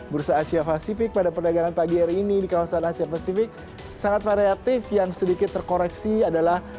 bursa asia pasifik pada perdagangan pagi hari ini di kawasan asia pasifik sangat variatif yang sedikit terkoreksi adalah